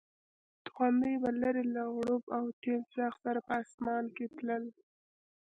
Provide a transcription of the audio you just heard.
توغندي به لرې له غړومب او تېز غږ سره په اسمان کې تلل.